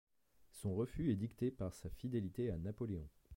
Son refus est dicté par sa fidélité à Napoléon.